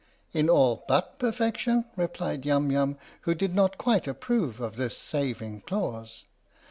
" In all but perfection?" replied Yum Yum, who did not quite approve of this saving clause.